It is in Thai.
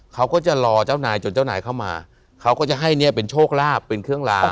เขาก็จะรอเจ้านายจนเจ้านายเข้ามาเขาก็จะให้เนี่ยเป็นโชคลาภเป็นเครื่องลาง